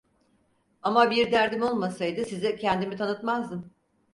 Ama bir derdim olmasaydı size kendimi tanıtmazdım.